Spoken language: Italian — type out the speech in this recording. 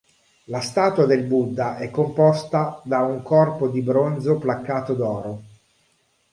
La statua del Buddha è composta da un corpo di bronzo placcato d'oro.